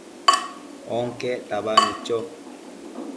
onquec tabadnu cho